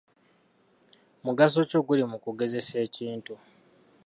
Mugaso ki oguli mu kugezesa ekintu?